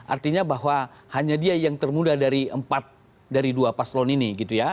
artinya bahwa hanya dia yang termuda dari empat dari dua paslon ini gitu ya